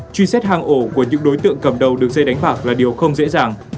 truy xét hàng ổ của những đối tượng cầm đầu đường dây đánh bạc là điều không dễ dàng